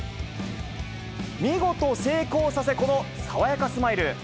見事成功させ、この爽やかスマイル。